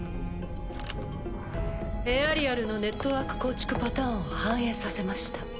エアリアルのネットワーク構築パターンを反映させました。